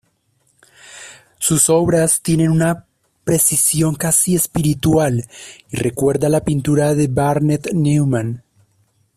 Sus obras tienen una precisión casi espiritual y recuerda la pintura de Barnett Newman.